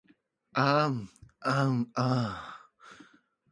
あんあんあ ｎ